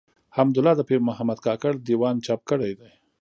حمدالله د پيرمحمد کاکړ د ېوان چاپ کړی دﺉ.